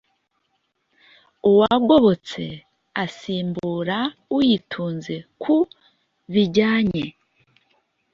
uwagobotse asimbura uyitunze ku bijyanye